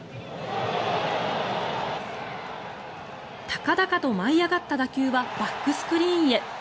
高々と舞い上がった打球はバックスクリーンへ。